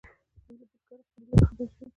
دوی له بزګرو قبیلو څخه بیل شول.